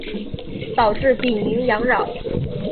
导致丙寅洋扰。